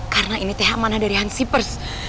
karena ini teh amanah dari hansi pers